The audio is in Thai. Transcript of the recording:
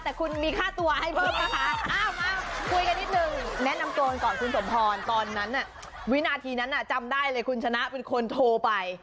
มาคุยกันนิดนึงแนะนำตัวก่อนคุณสมพรตอนนั้นวินาทีนั้นจำได้เลยคุณชนะเป็นคนโทรไป